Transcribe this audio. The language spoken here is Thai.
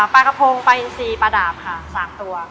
ปลากระโพงปลาอินซีปลาดาบค่ะ๓ตัว